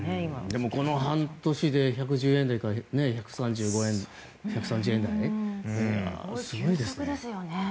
でも、この半年で１１０円台から１３０円台すごいですね。